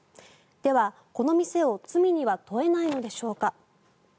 では、この店を罪には問えないのでしょうか。